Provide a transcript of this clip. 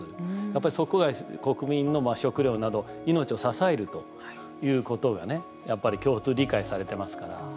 やっぱり、そこが国民の食料など命を支えるということがねやっぱり共通理解されてますから。